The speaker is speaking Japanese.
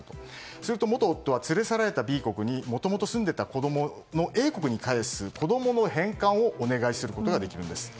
すると元夫は連れ去られたＢ国にもともと住んでいたＡ国に返す子供の返還をお願いすることができるんです。